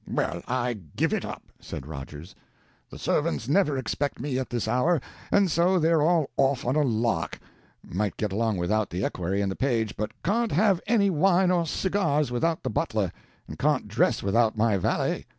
"Well, I give it up," said Rogers. "The servants never expect me at this hour, and so they're all off on a lark. Might get along without the equerry and the page, but can't have any wine or cigars without the butler, and can't dress without my valet."